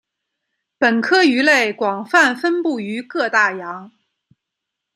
本科鱼类广泛分布于各大洋。